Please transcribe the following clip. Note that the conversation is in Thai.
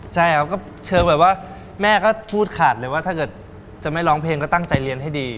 ใช่ครับก็เชิงแบบว่าแม่ก็พูดขาดเลยว่าถ้าเกิดจะไม่ร้องเพลงก็ตั้งใจเรียนให้ดี